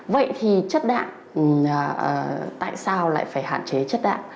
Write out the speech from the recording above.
vậy thì chất đạm tại sao lại phải hạn chế chất đạm